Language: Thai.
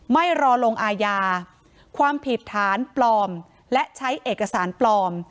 ไม่รอลงอาญาความผิดฐานปลอมและใช้เอกสารปลอม